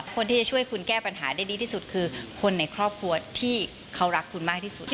คนที่จะช่วยคุณแก้ปัญหาได้ดีที่สุดคือคนในครอบครัวที่เขารักคุณมากที่สุด